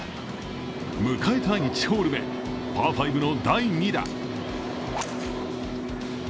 迎えた１ホール目、パー５の第２打。